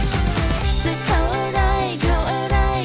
สามารถรับชมได้ทุกวัย